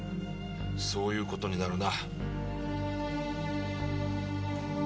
そういうことになるな。